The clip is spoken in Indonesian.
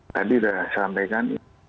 tadi sudah saya sampaikan